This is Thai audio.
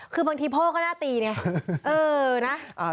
คือบางทีพ่อก็หน้าตีนี่เออนะ